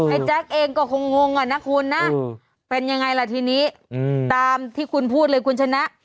แจ๊กเองก็คงงอ่ะนะคุณนะเป็นยังไงล่ะทีนี้ตามที่คุณพูดเลยคุณชนะ